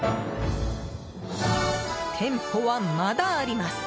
店舗は、まだあります。